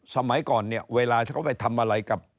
สมัยก่อนเนี่ยเวลาเขาไปทำอะไรกับ